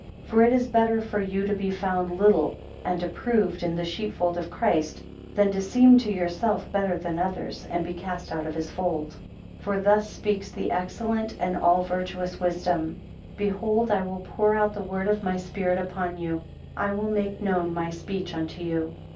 17 For it is better for you to be found little, and approved, in the sheepfold of Christ, than to seem to yourselves better than others, and be cast out of his fold. 18 For thus speaks the excellent and all virtuous wisdom, Behold I will pour out the word of my spirit upon you, I will make known my speech unto you.